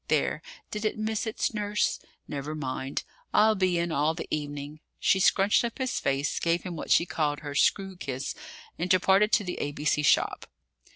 There! did it miss its nurse? Never mind! I'll be in all the evening." She scrunched up his face, gave him what she called her "screw" kiss, and departed to the A.B.C. shop.